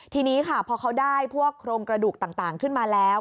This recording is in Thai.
ทีนี้ค่ะพอเขาได้พวกโครงกระดูกต่างขึ้นมาแล้ว